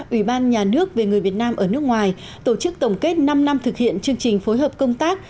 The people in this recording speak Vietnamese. ủy ban nhà nước về người việt nam ở nước ngoài tổ chức tổng kết năm năm thực hiện chương trình phối hợp công tác